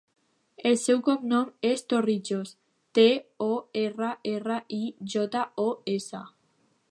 El seu cognom és Torrijos: te, o, erra, erra, i, jota, o, essa.